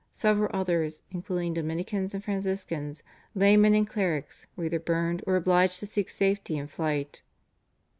several others including Dominicans and Franciscans, laymen and clerics, were either burned or obliged to seek safety in flight.